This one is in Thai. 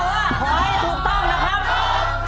ถูก